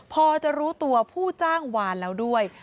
พอจะรู้ตัวผู้จ้างวานแล้วด้วย